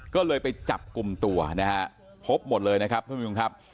ก็เลยไปจับกลุ่มตัวนะฮะพบหมดเลยนะครับท่านผู้ชมครับ